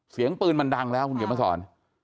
เสียงปืนมันดังแล้วคุณเขียนมาสอน